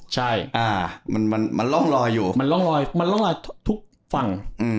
ใช่มันร่องรอยอยู่มันร่องรอยทุกฝั่ง